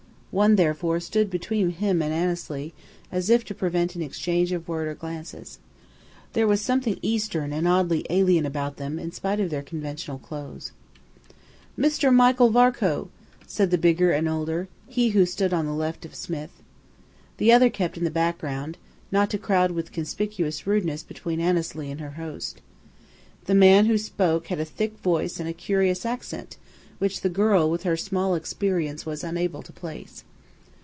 One, therefore, stood between him and Annesley as if to prevent an exchange of words or glances. There was something Eastern and oddly alien about them in spite of their conventional clothes. "Mr. Michael Varcoe!" said the bigger and older, he who stood on the left of Smith. The other kept in the background, not to crowd with conspicuous rudeness between Annesley and her host. The man who spoke had a thick voice and a curious accent which the girl, with her small experience, was unable to place.